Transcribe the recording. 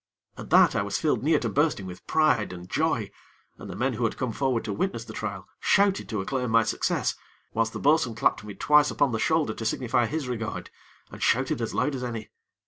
At that, I was filled near to bursting with pride and joy, and the men who had come forward to witness the trial, shouted to acclaim my success, whilst the bo'sun clapped me twice upon the shoulder to signify his regard, and shouted as loud as any.